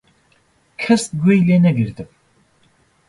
کەس گوێی لێنەگرتم.